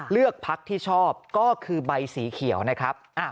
เลือกพักที่ชอบก็คือใบสีเขียวนะครับ